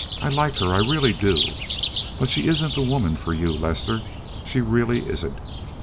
I like her. I really do. But she isn't the woman for you, Lester; she really isn't.